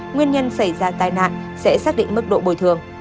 nguyên nhân xảy ra tai nạn sẽ xác định mức độ bồi thường